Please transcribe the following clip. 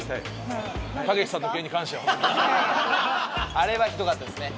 あれはひどかったですね。